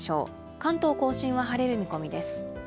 関東甲信は晴れる見込みです。